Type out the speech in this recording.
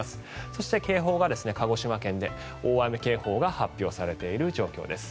そして警報が鹿児島県で大雨警報が発表されている状況です。